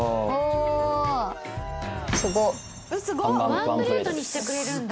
ワンプレートにしてくれるんだ。